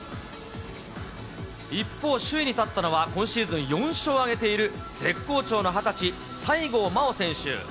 一方、首位に立ったのは、今シーズン４勝を挙げている絶好調の２０歳、西郷真央選手。